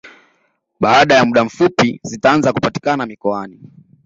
Baada ya muda mfupi zitaanza kupatikana mikoani